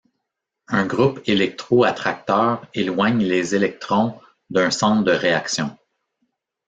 Un groupe électroattracteur éloigne les électrons d'un centre de réaction.